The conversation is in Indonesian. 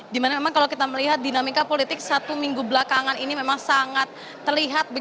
dimana memang kalau kita melihat dinamika politik satu minggu belakangan ini memang sangat terlihat